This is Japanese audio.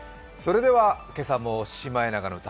今朝も「シマエナガの歌」